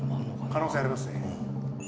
可能性ありますね。